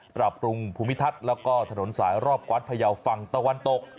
ปรับปรุงภูมิทัศน์แล้วก็ถนนสายรอบกวานพยาวฝั่งตะวันตก